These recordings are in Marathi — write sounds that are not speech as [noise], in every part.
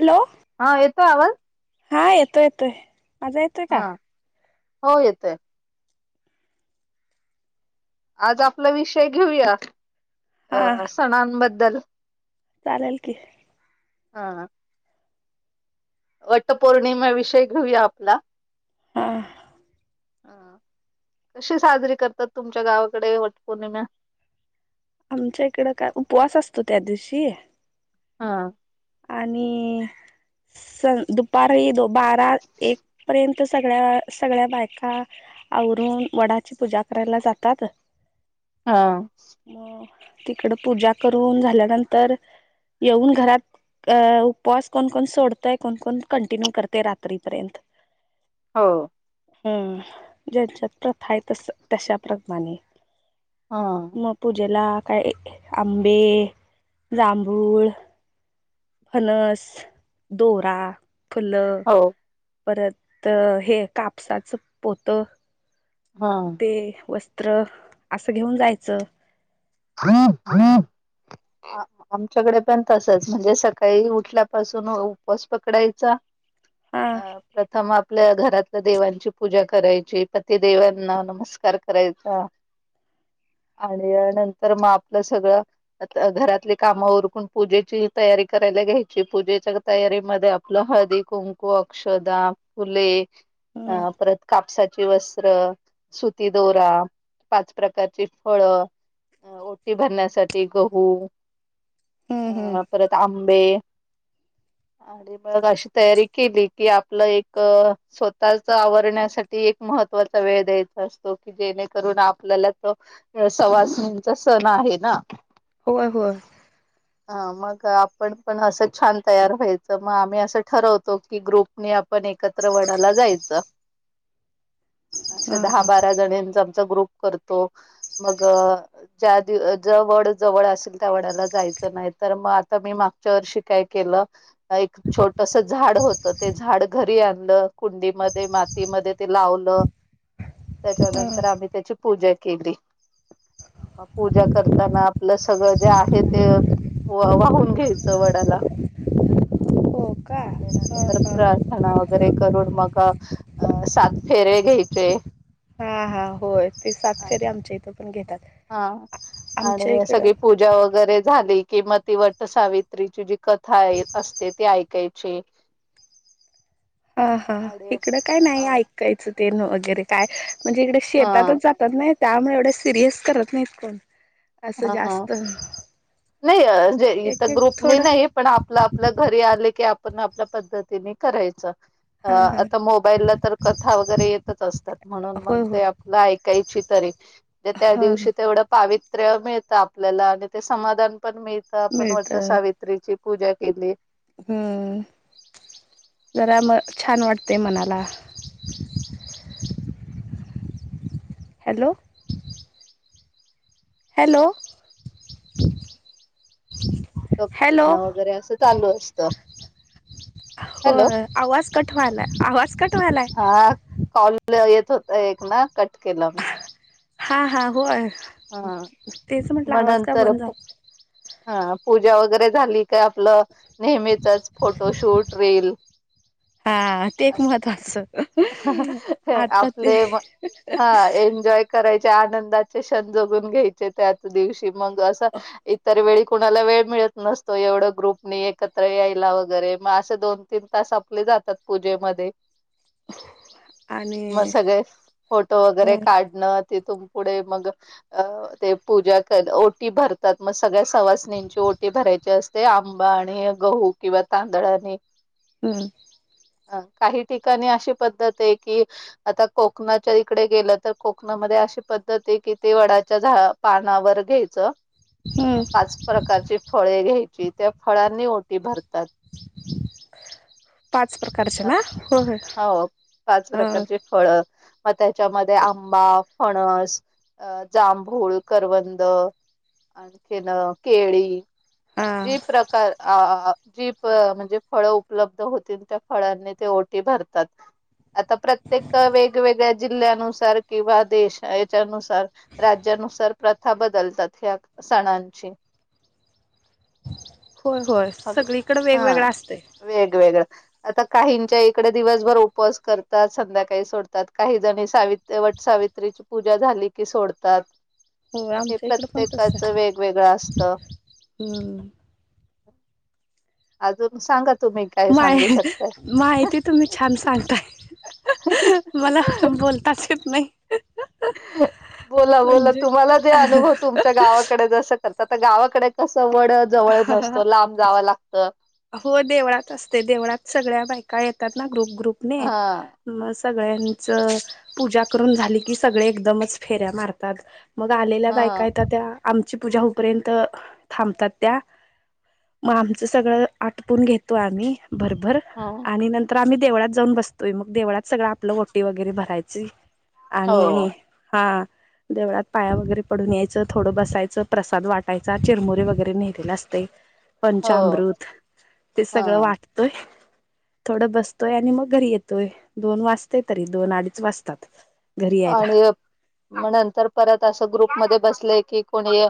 हॅलो. हा येतोय आवाज हा येतोय येतोय. माझा येतोय का हा हो येतय. आज आपला विषय घेऊया हा अ सणांबद्दल चालेल की हा. वटपौर्णिमे विषयी घेूया आपला हा. हा कशी साजरी करतात तुमच्या गावाकडे वटपौर्णिमा आमच्या इकडं काय उपवास असतो त्या दिवशी हा. आणि दुपारी बारा एक पर्यंत तर सगळ्या सगळ्या बायका आवरून वडाची पूजा करायला जातात. हा. मग तिकड पूजा करून झाल्यानंतर येऊन घरात अ उपवास कोण कोण सोडतय कोण कोण कंटिन्यू करतय रात्रीपर्यंत [inaudible] ह् ज्यांच्यात प्रथा तशा प्रथाने हा. मग पूजेला काय आंबे, जांभूळ. फणस दोरा फुलं हो परत हे कापसाचं पोतं. हा. ते वस्त्र, असं घेऊन जायचं, [inaudible] आमच्याकडे पण तसच, म्हणजे सकाळी उठल्यापासून उपवास पकडायचा, हा अ प्रथम आपल्या घरात देवांची पूजा करायची, पतिदेवांना नमस्कार करायचा, आणि नंतर मग आपलं सगळं, आ घरातली काम उरकून, पूजेची तयारी करायला घ्यायची, पूजेच्या, तयारीमध्ये, आपलं हळदी, कुंकू, अक्षदा फुले हम्म अ परत कापसाचे सुती वस्त्र, सुती दोरा, पाच प्रकारची फळ. अ ओटी भरण्यासाठी गहू, हम्म हम्म अ परत आंबे. मग अशी तयारी केली की, आपलं एक, स्वतःच आवरण्यासाठी, एक महत्त्वाचा वेळ द्यायचा असतो. जेणेकरून आपल्याला तो, सवासणीचा सण आहे ना. होय होय. ह मग आपण पण असंच छान तयार व्हायचं, म आम्ही असं ठरवतो की ग्रुप, आपण एकत्र वडला जायचं, अं हा दहा बारा जणीचा, ग्रुप करतो. मग ज्या दिवशी जो वड जवळ असेल, त्या वडाला जायचं. नाही तर मग, आता मी मागच्या वर्षी काय केलं, एक छोटस झाड होत, ते झाड घरी आणलं, कुंडीमध्ये मातीमध्ये ते लावलं. हा त्याच्यानंतर आम्ही त्याची, पूजा केली, मग पूजा करताना, आपलं सगळं जे आहे ते, वाहून घ्यायच वडाला, हो का आणि हा नंतर हा खणा वगैरे करून, मग अ सात फेरे घ्यायचे. ह ह हो. हो ते सात आणि फेरे, आमच्या इथं पण घेतात. हा आमच्या आणि इकडं सगळी पूजा वगैरे झाली. किं म, ती वटसावित्रीची जी कथा येत असते, ती ऐकायची. [inaudible] हा हा आणि इकडं काय नाही, अ ऐकायचं तेन वगैरे काय, म्हणजे इकडे हा शेतातच जात, नाही त्यामुळे, एवढे सिरियस करत नाहीत कोण, असं हा हा, जास्त नाही म्हणजे इथे एक एक ग्रुपने थोडं नाही. पण आपलं आपल्या घरी आले की, आपण आपल्या पद्धतीने करायचं. अ हा हा आता मोबाईलला तर कथा वगैरे येतच असतात, म्हणून मग होय होय ते आपलं ऐकायची तरी, म्हणजे त्या दिवशी तेवढं, पावित्र्य मिळतं आपल्याला, आणि ते समाधान पण मिळतं, आपण मिळत वाटत सावित्री ची पूजा केली. हम्म, जरा म, छान वाटते मनाला. हॅलो. हॅलो. हॅलो न वगैरे असं चालू असत. होय, आवाज कटव्हालाय, आवाज कटव्हालाय. हा कॉल येत होत एक ना, कट केलं मी. हा हा होय, हा तेच म्हटलं, मग आवाज का नंतर बंद झाला. हा पूजा वगैरे झाली का, आपलं नेहमीचच फोटोशूट, रीली हा ते एक अस, महत्त्वाचं आता ते आपले हा, एनजॉय, करायचे आनंदाचे क्षण जगून घ्यायचे त्याच दिवशी मग असं इतर वेळी कुणाला वेळ मिळत नसतो एवढं ग्रुपनी एकत्र यायला वगैरे मग असे दोन तीन तास आपले जातात पूजेमध्ये, मग आणि सगळे फोटो वगैरे हम्म काढणं तिथून पुढे मग, अ ते पूजा कर ओटी भरतात मग सगळ्या सवाशनेची ओटी भरायची असते. ते आंबा आणि गहू किंवा तांदळा आणि हम अ काही ठिकाणी अशी पद्धत आहे की आता कोकणाच्या इकडे गेलं तर कोकणामध्ये अशी पद्धत आहे की ते वडाच्या झा पानावर घ्यायचं हम्म पाच प्रकारची फळे घ्यायची त्या फळांनी ओटी भरतात पाच प्रकारच अ, ना हो हो हो पाच प्रकारचे फळ मग त्याच्यामध्ये आंबा फणस अ जांभूळ करवंद आणखीन केळी हा जी प्रकार अ जी प म्हणजे फळं उपलब्ध होतील त्या फळांनी ते ओटी भरतात आता प्रत्येक वेगवेगळ्या जिल्ह्यानुसार किंवा देश याच्यानुसार राज्यानुसार प्रथा बदलतात ह्या सणांची हो होय अग सगळीकडे हा वेगवेगळं असतय वेगवेगळां आता काहींच्या इकडे दिवसभर उपवास करतात संध्याकाळी सोडतात काही जणी सावित्री तेवट सावित्रीची पूजा झाली की सोडतात हो हे आमच्या इकडे पण प्रत्येकाच वेगवेगळं असतं हमं [unintelligible] अजून सांग माय माहिती तुम्ही छान सांगताय मला बोलताच येत नाही बोला बोला म्हणजे तुम्हाला जे अनुभव तुमच्या गावा डे जस करत गावाकडे कसं वड जवळ नसतो लांब जावं लागतं हो देवळात असते देवळात सगळ्या बायका येतात ना ग्रुप ग्रुपने हा मग सगळ्यांचं पूजा करून झाली की सगळे एकदमच फेऱ्या मारतात मग आलेल्या हा बायकायेत त्या आमची पूजा होपर्यंत थांबतात त्या मग आमचं सगळं आटपून घेतो आम्ही भरभर ह आणि नंतर तर आम्ही देवळात जाऊन बसतोय मग देवळात सगळं आपलं ओटी वगैरे भरायची हो आणि हा देवळात पाया वगैरे पडून यायचं थोडं बसायचं प्रसाद वाटायचा चिरमुरी वगैरे नेलेला असते हो पंचामृत ते सगळं हा वाटतोय थोडं बसतोय आणि मग घरी येतोय दोन वाजते तरी दोन अडीच वाजतात घरी यायला आणि मग नंतर परत असं ग्रुप मध्ये बसलंय की कोणी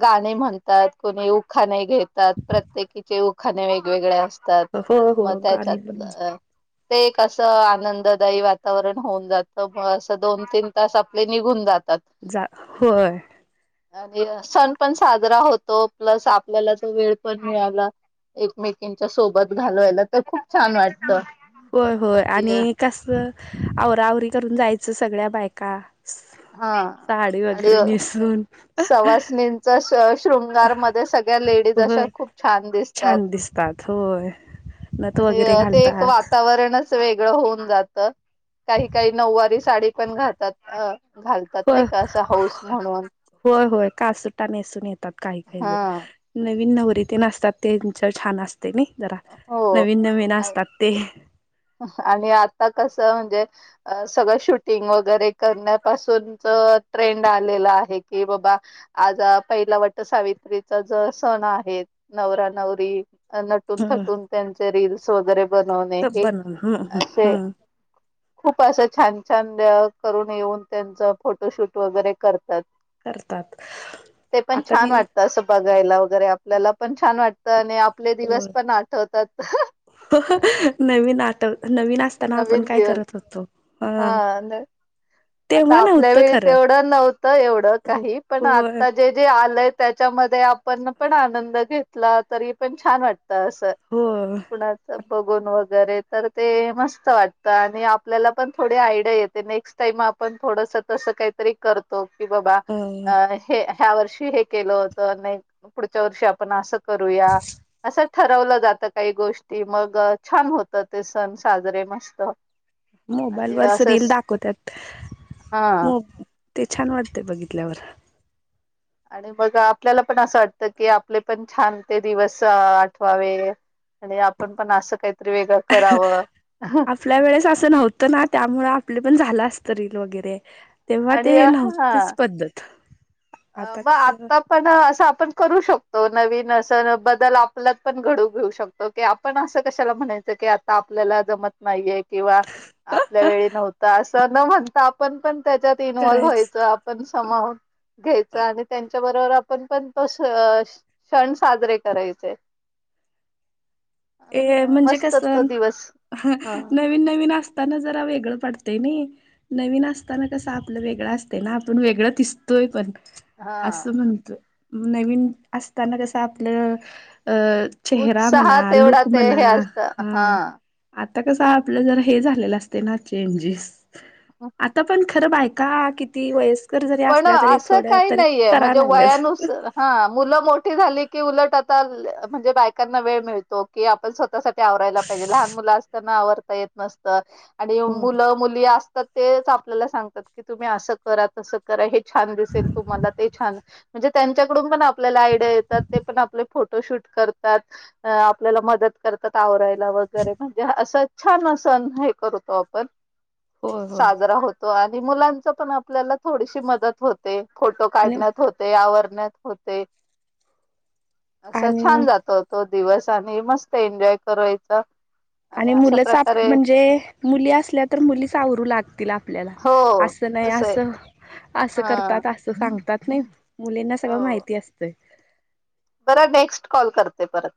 गाणे म्हणतात कोणी उखाने घेतात प्रत्येकीचे उखाने वेगवेगळे असतात हो मग हो गाणी त्याच्यात पण अ ते एक असं आनंददायी वातावरण होऊन जातं म दोन तीन तास आपले निघून जातात जा होय आणि सण पण साजरा होतो प्लस आपल्याला तो वेळ पण मिळाला एकमेकीच्या सोबत घालवायला तर खूप छान वाटतं होय होय आणि कस आवरावरी करून जायचं सगळ्या बायका हा साडी आणि वगैरे नेसून सवासणी जस शृंगारमध्येध्ये सगळ्या लेडीज अशा खूप छान दिसतात. दिस्त थ होय. नथ आणि वगैरे ते एक घालतात वातावरणच वेगळ होऊन जात काही काही नऊवारी साडी पण घातात घाल. हो होय होय कास सुट्टा नेसून येतात काही काही ज हा नवीन नवररी ते नसतात त्यांच्या छान असतात. जरा हो. नवीन नवीन असतग ते आणि आता कसं म्हणजे अ सगळं शूटिंग वगैरे करण्यापासूनच ट्रेंड आलेला आहे की बाबा आज पहिला वाटत सावित्रीचा ज सण आहे नवरा नवरी नटून ह थटून त्यांचे रीलस वगैरे बनवणे हे. हा ह हा. असे [inaudible] खूप असं छान छान करून येऊन त्यांचं फोटोशूट वगैरे करतात. करतात ते पण छान आपतानील वाटतं असं बघायला वगैरे आपल्याला पण छान वाटतं आणि आपले दिवस पण आठवतात. नवी नाटक नवीन असताना आपण नवीन काय दिवस करत होतो ह. हा न आता आपल्या वेळी तेवढं नव्हतं एवढं काही पण होय आता जे जे आलंय त्याच्यामध्ये आपण पण आनंद घेतला तरी पण छान वाटत असं. हो. कणाच बघून वगैरे तर ते मस्त वाटत आणि आपल्याला पण थोडी आयडिया येते नेक्स्ट टाईम आपण थोडस तसं काही तरी करतो की बाबा अ हे ह्या वर्षी हे केलं होतं नाही पुढच्या वर्षी आपण असं करूया. असं ठरवलं जातं काही गोष्टी मग छान होतं ते सण साजरे मस्त मोबाईल आणि वरच रीलील असंच दाखवतात हा मो ते छान वाटते बघितल्यावर आणि मग आपल्याला पण असं वाटतं की आपले पण छान ते दिवस आठवावे. आणि आपण पण असं काहीतरी वेगळं करावं. आपल्या वेळेस असं नव्हतं ना त्यामु आपले पण झालं असत रील वगैरे तेव्हा आणि ते नव्हतेच पद्धत अ आता मग कसं आत्ता पण असं आपण करू शकतो नवीन असं बदल आपल्यात पण घडू घेऊ शकतो. क आपण असं कशाला म्हणायचं की आता आपल्याला जमत नाहीये. किंवा आपल्या वेळी नव्हत असं न म्हणता आपण पण त्याच्यात इन्वॉल्व्ह करायच व्हायचं. पण समावून घ्यायच आणि त्यांच्या बरोबर आपण पण त. क्षण साजरे करायचे. ए म्हणजे मस्त कस तो दिवस हा नवीन नवीन असत. ना जरा वेगळं पडते नाही. नवीन असताना कसं आपलं वेगळं असत ना आपण वेगळं दिसतोय पण. हा असं म्हणत नवीन असताना कसं आपलं अं. चेहरा मणा उत्साहात एवढा लुक ते म्हणा हे असतं हा. आता कस आपलं जर हे झालेलं असते ना चेंजेस ह आता पण. खरं बायका किती वयस्कर जरी पण असल्या तरी असं थोड्या काही तरी नाहीये करा म्हणजे लागल्या. वयानुसार हा मुलं मोठी झाली की उलट आता म्हणजे बायकांना वेळ मिळतो की आपण स्वतःसाठी आवरायला. हिजे लहान मुलं असताना आवडता येत नसत. आणि होय मुलं मुली असतात तेच आपल्याला सांगतात की तुम्ही असं करा तस. करा हे छान दिसेल तुम्हाला ते छान म्हणजे त्यांच्याकडून पण आपल्याला आयडिया येतात ते पण आपले फोटोशूट करतात. आपल्याला मदत करतात आवरायला वगैरे म्हणजे असं छान सण हे करतो आपण होय होय. साजरा होतो आणि मुलांचा पण आपल्याला थोडीशी मदत होते फोटो आणि काढण्यात होते ते आवरण्यात होते असं आणि छान जात तो दिवस आणि मस्त एन्जॉय कवायचा आणि मुलं सा म्हणजे मुली असल्या तर मुली सावरू लागतील आपल्याला हो असं नाही असं असं हा करतात असं सांगतात नाही मुलींना सगळं माहिती असतंय. बर नेक्स्ट कॉल करते परत.